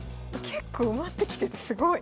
結構埋まってきててすごい。